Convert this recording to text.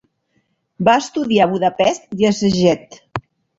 Va estudiar a Budapest i a Szeged.